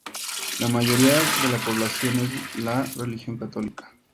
La mayoría de la población es de religión católica.